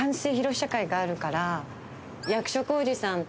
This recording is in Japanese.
試写会があるから。